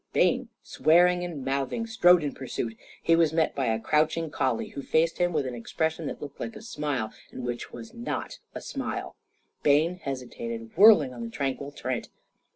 Bayne, swearing and mouthing, strode in pursuit. He was met by a crouching collie, who faced him with an expression that looked like a smile and which was not a smile. Bayne hesitated, whirling on the tranquil Trent.